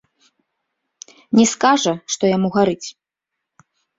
Не скажа, што яму гарыць.